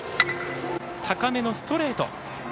高めのストレート。